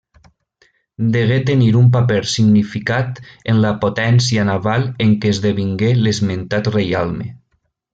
Degué tenir un paper significat en la potència naval en què esdevingué l'esmentat reialme.